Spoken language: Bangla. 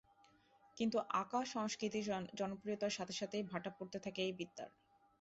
কিন্তু আঁকা সংস্কৃতির জনপ্রিয়তার সাথে সাথেই ভাটা পড়তে থাকে এই বিদ্যার।